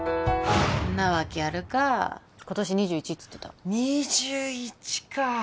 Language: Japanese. んなわけあるか今年２１っつってた２１か！